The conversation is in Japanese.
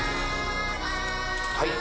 はい。